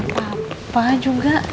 aku gak apa apa juga